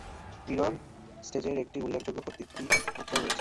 Mirror স্টেজের একটি উল্লেখযোগ্য প্রতীকী মাত্রাও রয়েছে।